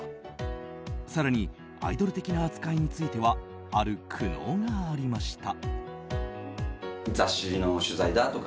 更にアイドル的な扱いについてはある苦悩がありました。